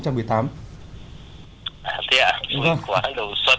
thực hiện thêm vui